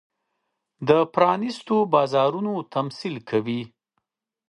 د پرانېستو بازارونو تمثیل کوي.